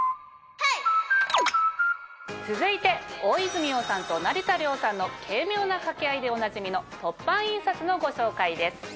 続いて大泉洋さんと成田凌さんの軽妙な掛け合いでおなじみの凸版印刷のご紹介です。